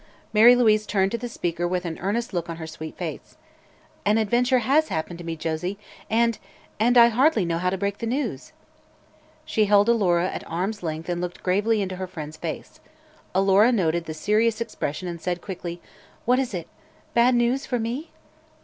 "_ Mary Louise turned to the speaker with an earnest look on her sweet face. "An adventure has happened to me, Josie, and and I hardly know how to break the news." She held Alora at arms' length and looked gravely into her friend's face. Alora noted the serious expression and said quickly: "What is it? Bad news for _me?"